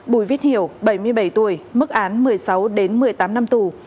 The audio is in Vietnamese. bùi viết hiểu bảy mươi bảy tuổi mức án một mươi sáu đến một mươi tám năm tù